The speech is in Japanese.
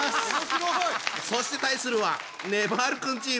そして対するはねばる君チーム。